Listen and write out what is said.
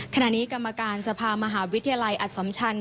ขณะนี้กรรมการสภาวิทยาลัยอัตศัมชรรพ์